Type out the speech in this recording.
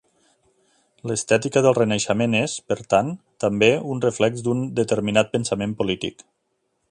L'estètica del Renaixement és, per tant, també un reflex d'un determinat pensament polític.